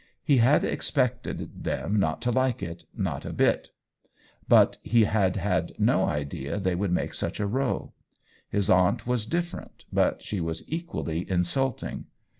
He had expected them not to like it, not a bit, but he had had no idea they would make such a row. His aunt was different, but she was equally insulting.